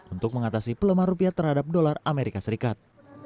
untuk mengatasi pelemahan rupiah terhadap dolar amerika serikat